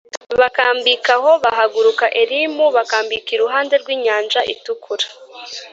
Bakambika aho bahaguruka elimu bakambika iruhande rw inyanja itukura